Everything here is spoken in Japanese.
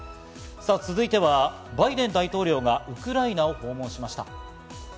続いて、バイデン大統領がウクライナを訪問しました。